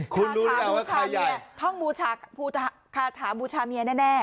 คุณรู้อย่างว่าใครใหญ่ค้าทามูชามีย์แน่แน่